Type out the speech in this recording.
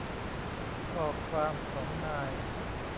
ข้อความของนาย